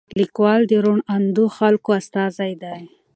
لیکوال د روڼ اندو خلکو استازی دی.